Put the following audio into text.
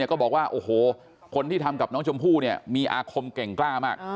ก็บอกว่าโอ้โหคนที่ทำกับน้องชมพู่เนี่ยมีอาคมเก่งกล้ามาก